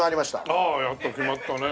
ああやっと決まったね。